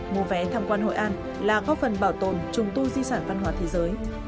mua vé tham quan hội an là góp phần bảo tồn trùng tu di sản văn hóa thế giới